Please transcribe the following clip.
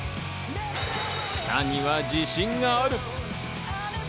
舌には自信がある。